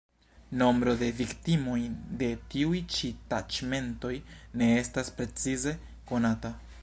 Nombro de viktimoj de tiuj ĉi taĉmentoj ne estas precize konata.